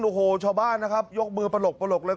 โอ้โหชาวบ้านนะครับยกมือปลกเลย